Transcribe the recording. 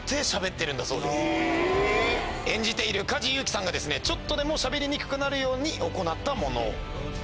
演じている梶裕貴さんがちょっとでもしゃべりにくくなるように行ったもの。